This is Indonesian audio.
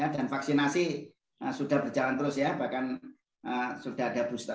dan vaksinasi sudah berjalan terus ya bahkan sudah ada booster